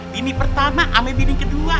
bini pertama sama bini kedua